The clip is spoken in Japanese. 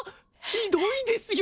ひどいですよ